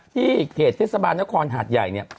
เขตเทศบาลนครหาดใหญ่เนี่ย